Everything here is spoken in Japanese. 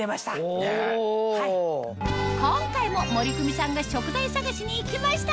今回も森クミさんが食材探しに行きました